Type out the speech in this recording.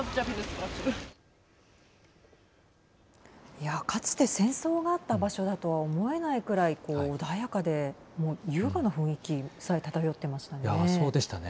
いや、かつて戦争があった場所だとは思えないくらいこう穏やかで、優雅な雰囲気さえそうでしたね。